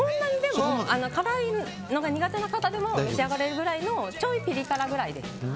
辛いのが苦手な方でも召し上がれるくらいのちょいピリ辛くらいです。